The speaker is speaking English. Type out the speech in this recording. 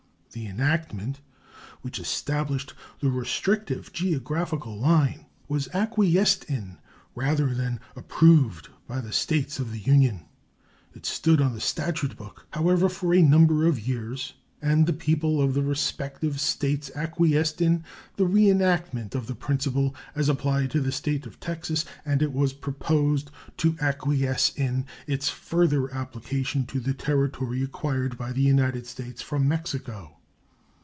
The enactment which established the restrictive geographical line was acquiesced in rather than approved by the States of the Union. It stood on the statute book, however, for a number of years; and the people of the respective States acquiesced in the reenactment of the principle as applied to the State of Texas, and it was proposed to acquiesce in its further application to the territory acquired by the United States from Mexico.